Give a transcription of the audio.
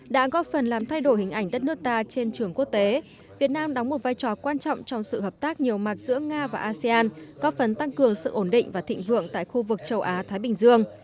đã góp phần làm thay đổi hình ảnh đất nước ta trên trường quốc tế việt nam đóng một vai trò quan trọng trong sự hợp tác nhiều mặt giữa nga và asean có phần tăng cường sự ổn định và thịnh vượng tại khu vực châu á thái bình dương